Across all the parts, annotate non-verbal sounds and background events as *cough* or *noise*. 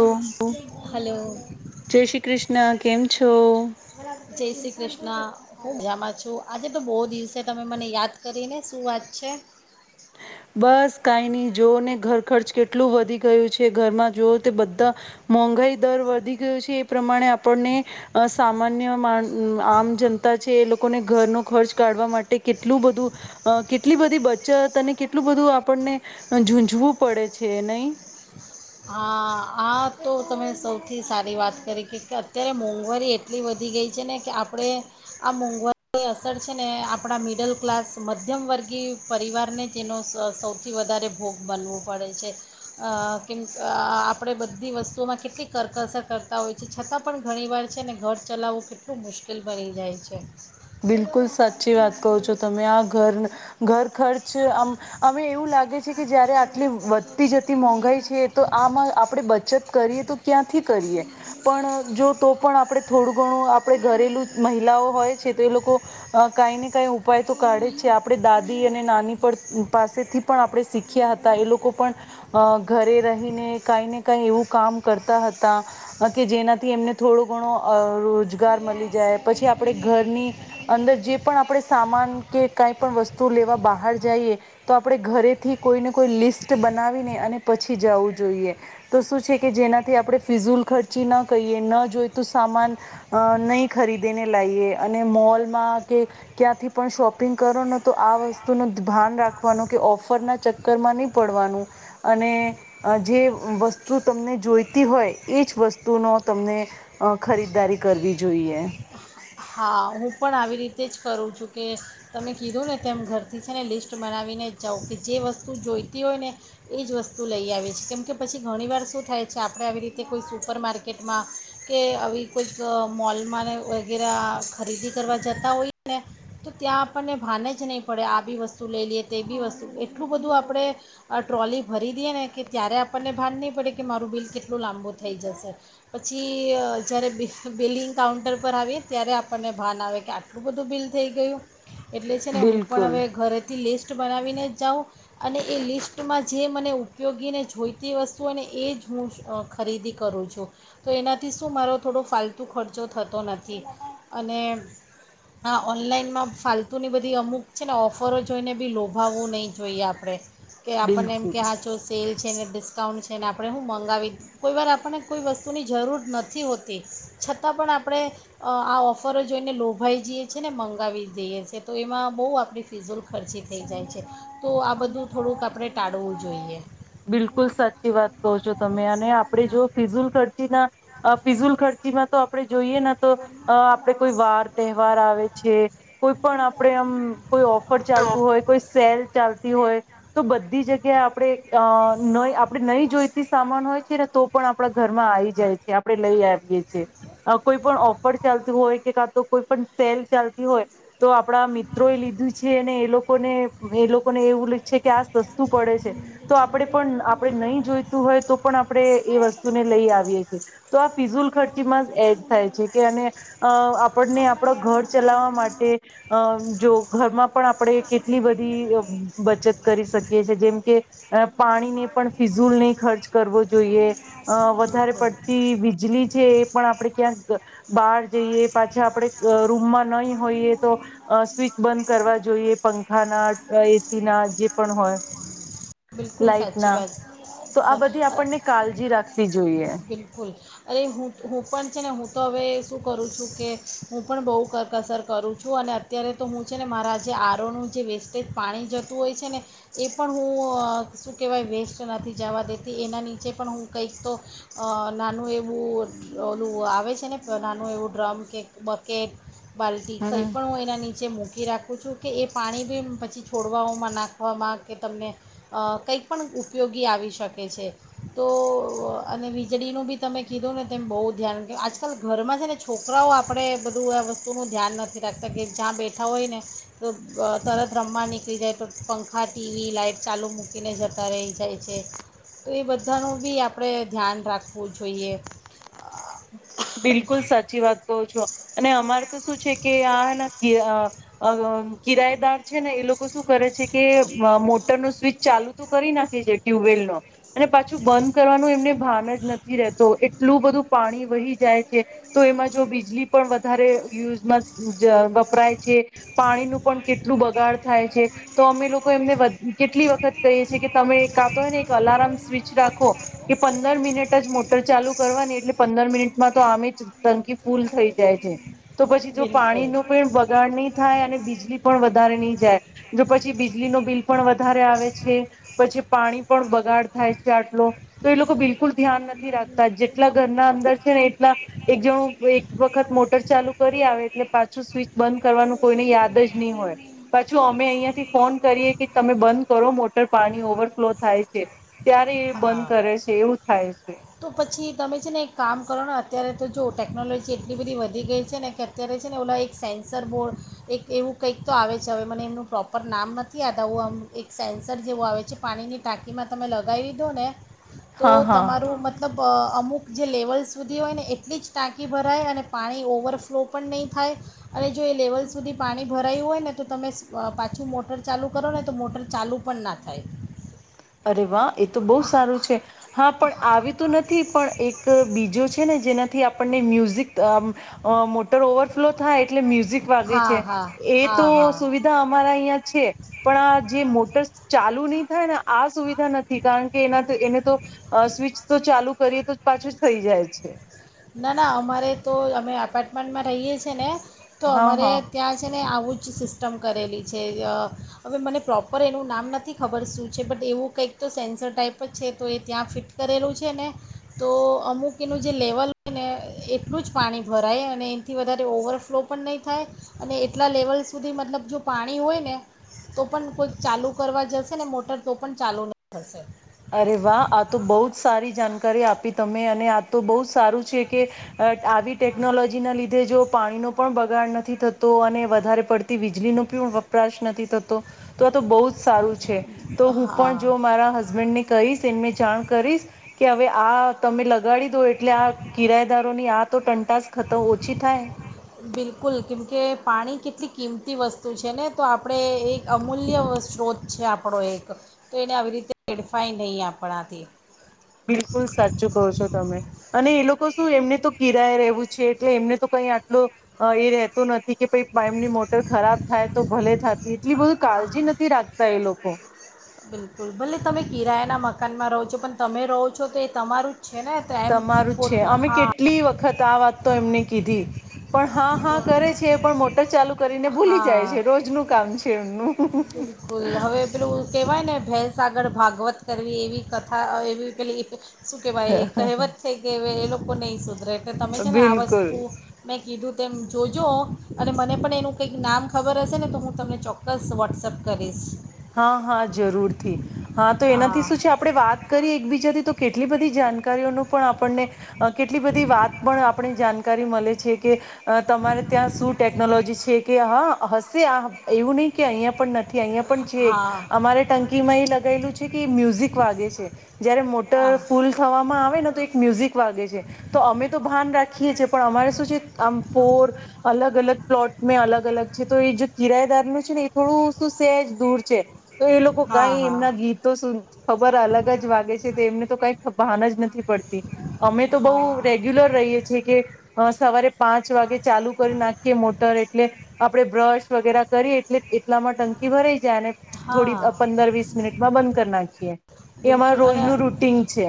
ઓહ, hello *inaudible* જય શ્રી કૃષ્ણ. કેમ છો? ના, હું મજામાં છું. આજે તો બો દિવસે તમે મને યાદ કરીને. શું વાત છે? બસ કઈ નહી, જો ને ઘર ખર્ચ કેટલું વધી ગયું છે. ઘરમાં જોવ તે બધા મોંઘાઈ દર વધી ગયો છે. એ પ્રમાણે આપણને સામાન્ય માણસ આમ જનતા છે. એ લોકોને ઘરનો ખર્ચ કાઢવા માટે કેટલું બધું, કેટલી બધી બચત અને એટલું બધું આપણને ઝૂઝવું પડે છે. નઈ? હા, આ તો તમે સૌથી સારી વાત કરી કે. કે અત્યારે મોંઘવારી એટલી વધી ગઈ છે ને. કે આપણે આ મોંઘવારીની અસર છે. ને આપણા મિડલ ક્લાસ મધ્યમ વર્ગીય પરિવારને તેનો સૌથી વધારે ભોગ બનવો પડે છે. અ મિન્સ, આપણે બધી વસ્તુઓમાં કેટલી કરકસર કરતાં હોય છીએ. છતાં પણ ઘણી વાર છે ને ઘર ચલાવવું કેટલું મુશ્કેલ બની જાય છે. બિલકુલ સાચી વાત કવ છો તમે. આ ઘર, ઘર ખર્ચ હવે એવું લાગે છે કે. જયારે આટલી વધતી જતી મોંઘાઈ છે. એ તો આમાં આપણે બચત કરીએ તો ક્યાંથી કરીએ? પણ જો તો પણ આપણે થોડું ઘણું આપણે ઘરેલું મહિલાઓ હોય, છે તો એ લોકો કઈ ને ક ઉપાય તો કાઢે જ છે. આપણે દાદી અને ના નાની પાસેથી પણ આપણે શીખ્યા હતા. એ લોકો પણ ઘરે રહીને કઈ ને કઈ એવું કામ કરતા હતા. કે જેનાથી એમને થોડો *unintelligible* રોજ ગાર મળી જાય. પછી આપડે ની અંદર જે પણ આપણે સામાન કે કઈ પણ વસ્તુ લેવા બહાર જઈએ. તો આપણે ઘરેથી કોઈને કોઈ લિસ્ટ બનાવીને અને પછી જવું જોઈએ. તો શું છે કે જેનાથી આપણે ફિઝુલ ખર્ચી ના કરિએ. ન જોઈતું સામાન, નહી ખરીદીને લાઈએ. અને મોલમાં, કે ક્યાંથી પણ શોપિંગ કરો ને. તો આ વસ્તુ ન ભાન રાખવાનું. કે ઓફરના ચક્કરમાં ની પડવાનું. અને જે વસ્તુ તમને જોઈતી હોય એજ વસ્તુનો તમને ખરીદારી કરવી જોઈએ. હા, હું પણ આવી રીતે જ કરું છું, કે તમે કીધું ને તેમ ઘરથી છે ને લિસ્ટ બનાવીને જ જાવ. કે જે વસ્તુ જોઈતી હોય ને, એ જ વસ્તુ લઈ આવે છે. કેમ કે પછી ઘણીવાર શું થાય છે, આપણે આવી રીતે કોઈ સુપર માર્કેટમાં, કે આવી કોઈક મોલમાંને વગેરે ખરીદી કરવા જતા હોઈએ ને, તો ત્યાં આપણને ભાન જ નહીં પડે. આ બી વસ્તુ લઈ લઈએ, તે બી વસ્તુ, એટલું બધું આપણે ટ્રોલી ભરી દઈએ ને કે, ત્યારે આપણને ભાન નહીં પડે કે મારું બિલ કેટલું લાંબું થઈ જશે. પછી જ્યારે બ બિલિંગ કાઉન્ટર પર આવીએ ત્યારે આપણને ભાન આવે કે આટલું બધું બિલ થઈ ગયું! એટલે છે ને, હું પણ બિલકુલ હવે ઘરેથી લિસ્ટ લિસ્ટ બનાવીને જાઉં. અને એ લિસ્ટમાં જે મને ઉપયોગીને જોઈતી વસ્તુઓ હોઈ ને એ જ હું ખરીદી કરું છું. તો એનાથી શું મારો થોડો ફાલતુ ખર્ચો થતો નથી. અને આ ઓનલાઈનમાં ફાલતુની બધી અમુક છે ને ઓફરો જોઈને બી લોભાવવું નહીં જોઈએ આપણે. કે આપણને એમ બિલકુલ કે હા જો સેલ છે ને ડિસ્કાઉન્ટ છે ને, આપણે હું મંગાવી. કોઈ વાર આપણને કોઈ વસ્તુની જરૂર નથી હોતી, છતાં પણ આપણે આ ઓફરો જોઈને લોભાઈ જઈએ છે, ને મંગાવી દઈએ છે. તો એમાં બહુ આપણી ફિઝૂલખર્ચી થઈ જાય છે. તો આ બધું થોડુંક આપડે ટાળવું જોઈએ. બિલકુલ સાચી વાત કહો છો તમે અને આપડણે જો ફિઝુલ ખર્ચીના ફિઝુલ ખર્ચીમાં તો આપડણે જોઈએ નથી. આપડે કોઈ વાર તહેવાર આવે છે કોઈ પણ આપણે આમ કોઈ ઓફર ચાલતું હોય કોઈ સેલ ચાલત. હોય તો બધી જગ્યા આપણે અ ન આપ આપણે નહી જોઈતી સામાન હોય છે ને તો પણ આપણા ઘરમાં આવી જાય છે આપણે લઈ આવીયે છીએ કોઈ પણ ઓફર ચાલત હોય કે કા તો કોઈ પણ સેલ ચાલતી હોય તો આપડા મિત્રો એ લીધું છે અનેને એ લોકોને એ લોકોને એવું છે કે આ સસ્તું પડે છે. તો આપણે પણ આપણે નહીં જોઈતું હોય તો પણ આપણે એ વસ્તુને લઈ આવીએ છીએ તો આ ફિઝુલ ખર્ચી માં જ એડ થાય છે કે અને અ આપણને આપડ ઘર ચલાવવા માટે અ જો ઘરમાં પણ આપણે કેટલી બધી બચત કરી શકીએ. કે છે જેમ કે અ પાણીને પણ ફિઝુલ નહી ખર્ચ કરવો જોઈએ અ વધારે બિલકુલ પડતી વીજળી છે એ પણ આપણે ક્યાંક બહાર જઈએ પાછા આપણે રૂમમાં નહી હોઈએ તો સ્વિચ બંધ કરવા જોઈએ પંખાના એસીના જે પણ હોય. બિલકુલ સાચી લાાઈટના વાત તો આ બધી સ- આપણને કાળજી રાખવી જોઈએ. બિલકુલ અરે હું હું પણ છે ને હું તો હવે શું કરું છું કે હું પણ બહુ કરકસર કરું છું અને અત્યારે તો હું છે ને મારા જે આરોનું જે વેસ્ટેજ પાણી જતું હોય છે ને એ પણ હું શું કહેવાય વેસ્ટ નથી જવા દેતી એના નીચે પણ હું કંઈક તો નાનું એવું ઓલું આવે છે ને નાનું એવું ડ્રમ કેક બકેટ બાલ્ટ હમ કંઈ પણ હું એના નીચે મક રીરાખું છું કે એ પાણી બી પછી છોડવા હુંમાં નાખ રાવામાં કે તમને કંઈક પણ ઉપયોગી આવી શકે છે તો અને વીજળીનું બી તમે કીધું ને તેમ બહુ ધ્યાન આજકાલ ઘરમાં છે ને છોકરાઓ આપણે બધું આ વસ્તુનું ધ્યાન નથી રાખતા કે જ્યાં બેઠા હોય ને તો તરત રમવા નીકળી જાય તો પંખ હા ટીવી લાઇટ ચાલુ મૂકીને જતા રહી જાય છે તો એ બધાનું બી આપણે ધ્યાન રાખવું જોઈએ. બિલકુલ સાચી વાત કહો છો અને અમારે તો શું છે કે આ હેને કી આ કિરાયદાર છે ને એ લોકો શું કરે છે કે મોટરનુ સ્વિચ ચાલુ તો કરી નાખે છે ટ્યુબવેલનો અને પાછું બંધ કરવાનું એમને ભાન જ નથી રહેતો એટલું બધું પાણી વહી જાય છે તો એમાં જો બીજલી પણ વધારે યુઝમાં વપરાય છે પાણીનું પણ કેટલું બગાડ થાય છે તો અમે લોકો એમને કેટલી વખત કહીએ છીએ કે તમે એક કા તોય ને એક અલાર્મ સ્વિચ રાખો કે પંદર મિનટ જ મોટર ચાલુ કરવાની એટલે પંદર મિનિટમાં તો આમ જ ટંકી ફૂલ થઈ જાય છે. તો પછી જો બિલકુલ પાણીનું બગાડ નહી થાય અને બીજલી પણ વધારે નહી જાય જો પછી બીજલીનુ બિલ પણ વધારે આવે છે પછી પાણી પણ બગાડ થાય છે આટલો તો એ લોકો બિલકુલ ધ્યાન નથી રાખતા જેટલા ઘરના અંદર છે ને એટલા એક જણ એક વખત મોટર ચાલુ કરી આવે એટલે પાછું સ્વિચ બંધ કરવાનું કોઈને યાદ જ નહી હોય પાછું અમે અહિયાં થી ફોન કરીએ કે તમે બંધ કરો મોટર પાણી ઓવરફ્લો થાય છે ત્યારે એ બંધ હા કરે છે એવું થાય છે. તો પછી તમે છે ને એક કામ કરો ને અત્યારે તો જો ટેકનોલોજી એટલી બધી વધી ગઈ છે ને કે અત્યારે છે ને ઓલા એક સેન્સર બોર્ડ એક એવું કંઈક તો આવે છે હવે મને એમનું પ્રોપર નામ નથી યાદ આવું આમ એક સેન્સર જેવું આવે છે પાણીની ટાંકીમાં તમે લગાવી દો ને તો હા હા તમારું મ મતલબ અમુક જે લેવલ સુધી હોય ને એટલી જ ટાંકી ભરાય અને પાણી ઓવરફ્લો પણ નહીં થાય અને જો એ લેવલ સુધી પાણી ભરાયું હોય ને તો તમે પાછું મોટર ચાલુ કરો ને તો મોટર ચાલુ પણ ના થાય. અરે વા. એ તો બહુ સારું છે હા પણ આવી તો નથી પણ એક બીજો છે ને જેનાથી આપણને મ્યુઝિક અમ અ મોટર ઓવરફ્લો થાય એટલે મ્યુઝિ મ્યુઝિક વાગે હા હા છે એ હા તો હા સુવિધા અમારે અહ્યા છે. પણ અ જે મોટર ચાલુ લુણી થાણા આ સુવિધા નથી કારણ કે એના એને તો અ સ્વિચ તો ચાલુ કરીએ તો પાછું જ થઈ જાય છે. ના-ના અમારે તો અમે એપાર્ટમેન્ટમાં રહીએ છીએ ને તો હા અમારે હા ત્યાં છે. ને આવું જ સિસ્ટમ કરેલી છે. અ હવે મને પ્રોપર એનું નામ નથી ખબર શું છે બટ એવું કંઈક તો સેન્સર ટાઈપ જ છે તો એ ત્યાં ફિટ કરેલું છે ને તો અમુક એનું જે લેવલ ને એટલું જ પાણી ભરાય અને એનાથી વધારે ઓવરફ્લો પણ નહીં થાય અને એટલા લેવલ સુધી મતલબ જો પાણી હોય ને તો પણ કોઈક ચાલુ કરવા જશે ને મોટર તો પણ ચાલુ નહીં થશે. અરે વાહ આ તો બહુ જ સારી જાણકારી આપી તમે અને આ તો બહુ જ સારું છે કે આવી ટેકનોલોજીના લીધે જો પાણીનો પણ બગાડ નથી થતો અને વધારે પડતી વીજળીનો પણ વપરાશ નથી થતો તો આ તો બહુ જ સારું. તો હું પણ હા જો મારા હ. કહીશ એમને જાણ કરીશ કે હવે આ તમે લગાડી દો એટલે આ કિરાદારોની આ તો ટંટાસ ખતમ ઓછી થાય. કે પાણી કેટલી કિંમતી વસ્તુ છે ને તો આપણે એક અમૂલ્ય સ્ત્રોત છે આપણો એક તો એને આવી રીતે હેડફાય નહીં આપણાથી. બિલકુલ સાચું કહો છો તમે અને એ લોકો શું એમને તો કિરાય રહેવું છે એટલે એમને તો કઈ આટલો એ રહેતો નથી. કે પ પાઇમની મોટર ખરાબ થાય તો ભલે થતી એટલી બધી કાળજી નથી રાખતા એ લોકો. બિલકુલ ભલે તમે કિરાયાના મકાનમાં રહો છો પણ તમે રહો છો તો એ તમારું જ છે ને તો એમ તમારું પોત છે અમે હા કેટલી વખત વખત આ વાત તો એમને કીધી. પણ હા હા કરે છે પણ મોટર ચાલુ કરીને ભૂલી જાય છે હા રોજનું કામ છે એમનું બિલકુલ હવે પેલું કહેવાય ને ભેંસ આગળ ભાગવત કરવી એવી કથા એવી પેલી શું કેવાય કહેવત છે કે એ લોકો કો નઈ સુધરે. એ તમે છે ને આ બિલકુલ વસ્તુ મેં કીધું. તેમ જોજો અને મને પણ એનું કંઈક નામ ખબર હશે ને તો હું તમને ચોક્કસ વોટ્સઅપ કરીશ. હા હા જરૂરથી હા તો એનાથી શું છે આપણે વાત કરીએ એકબીજાથી તો કેટલી બધી જાણકાર કારીઓનું પણ આપ આપણને કેટલી બધી વાત પણ આપ જાણકારી મળે છે કે તમારે ત્યાં શું ટેકનોલોજી છે કે હ હસ આ એવું નહી કે અહંયા પણ નથી પણ છે હા અમારે ટંકી માં એ લગાયેલું છે કે મ્યુઝિક વાગે છે જયારે મોટર હા ફૂલ થવામાં આવે ને તો એક મ્યુઝિક વાગે છે તો અમે તો ભાન રાખીએ છી પણ અમારે શું છે આમ ફોર અલગ અલગ પ્લોટ મેં અલગ અલગ છે તો એ જે કિરાયદારનું છે ને એ થોડું શું સેજ દૂર છે. તો એ લોકો કઈ હા એમના ગીતો સુ ખબર અલગ જ વાગે છે તે એમને તો કઈ ભાન જ નથી પડતી અમે તો હા હા બહ રેગ્યુલર રહીએ છીએ કે સવારે પાંચ વાગે ચાલુ કરી નાખીએ મોટર એટલે આપણે બ્રશ વગેરા કરી એટલે એટલામાં ટંકી ભરેય જાણે થોડી હા પંદર વીસ મિનિટમાં બંધ કરી નાખીએ એ અમાર બિલકુલ અને રોજનું રૂટીન છે.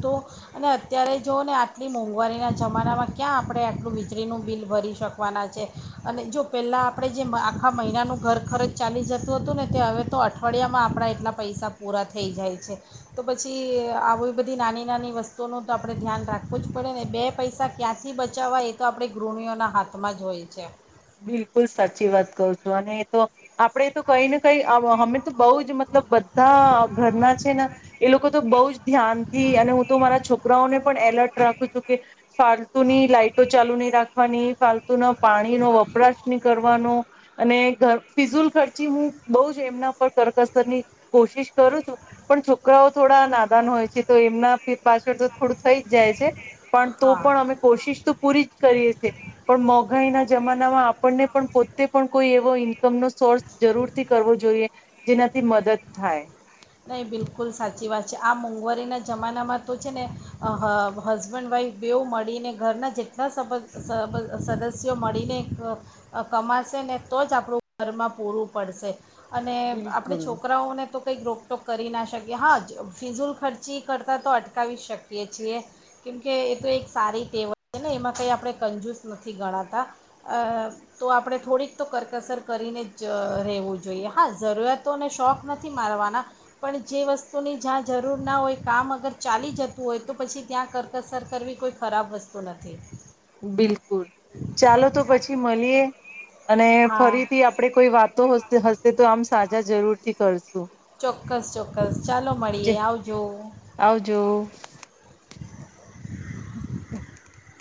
તો અને અત્યારે જુઓ ને આટલી મોંઘવારીના જમાનામાં ક્યાં આપણે આટલું વીજળીનું બિલ ભરી શકવાના છે અને જો પહેલાં આપણે જેમ આખા મહિનાનું ઘર ખરચ ચાલી જતું હતું ને તે હવે તો અઠવાડિયામાં આપણા એટલા પૈસા પૂરા થઈ જાય છે તો પછી આવી બધી નાની નાની વસ્તુઓનું તો આપણે ધ્યાન રાખવું જ પડે ને બે પૈસા ક્યાંથી બચાવવા એ તો આપણી ગૃહણીઓના હાથમાં જ હોય છે. બિલકુલ સાચી વાત કઉ છું અને એ તો આપડે તો કઈ ને કઈ હમેં. બહ જ મતલબ બધા ઘરના છે ને એ લોકો તો બઉુ ધ્યાન થી અને હું તો મારા છોકરાઓને પણ એલર્ટ રાખું છું કે ફાલતુ ની લાઈટો ચાલુ નહી રાખવાની ફાલતુ ના પાણી નો વપ કપરાશની કરવાનો અને ફિઝુલ ખર્ચી હું બહ જ એમના પર કરકસર ની કોશિશ કરું છું પણ છોકરાઓ થોડા નાદાન હોય છે તો એમના પાછળ તો થોડું થઈ જ જાય છે. પણ તો હા પણ અમે કોશિશ તો પૂરી જ કરીએ છીએ. પણ મોંઘાઈ ના જમા આપને પણ પોતે પણ કોઈ એવો ઈન્કમનો સોર્સ જરૂરથી કરવો જોઈએ જેનાથી મદદ થાય. નહીં બિલકુલ સાચી વાત છે આ મોંઘવારીના જમાનામાં તો છે ને હ હસબન્ડ વાઈફ બેવ મળીને ઘરના જેટલા સ સદસ્યો મળીને કમાશે ને તો જ આપણું ઘરમાં પૂરું પડશે. અને આપણે બિલકુલ. છોકરાઓને તો કોઈ ગ્રોપ તો કરી ના શકીએ હા જ ફિઝૂલ ખર્ચી કરતાં તો અટકાવી શકીએ છીએ કેમકે એ તો એક સારી ટેવ છે ને એમાં કંઈ આપણે કંજૂસ નથી ગણાતા તો આપણે થોડીક તો કરકસર કરીને જ રહેવું જોઈએ હા જરૂરિયાતોને શોખ નથી મારવાના. પણ જે વસ્તુની જ્યાં જરૂર ના હોય કામ અગર ચાલી જતું હોય તો પછી ત્યાં કરકસર કરવી કોઈ ખરાબ વસ્તુ નથી. બિલકુલ ચાલો તો પછી મળીએ. અને હા ફરીથી આપડે કોઈ વાતો હશે તો આમ સાચ મજા જરૂર થી કરશું. ચોક્કસ ચોક્કસ ચાલો મળીએ જે આવજો. આવજો. *inaudible*